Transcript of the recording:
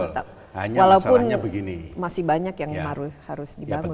walaupun masih banyak yang harus dibangun